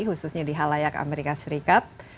khususnya di halayak amerika serikat